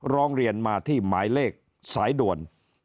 ร้องเรียนมาที่หมายเลขสายด่วน